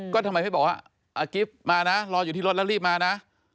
ก็ทำไมไม่บอกว่าอากิฟต์มานะรออยู่ที่รถแล้วรีบมานะ